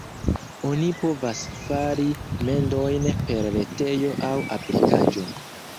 Oni povas fari mendojn per retejo aŭ aplikaĵo.